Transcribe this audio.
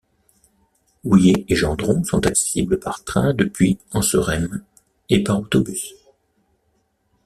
Houyet et Gendron sont accessibles par train depuis Anseremme et par autobus.